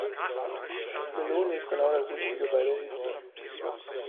Melone ist genau das Richtige bei der Hitze.